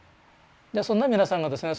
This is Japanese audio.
そんな皆さんがですね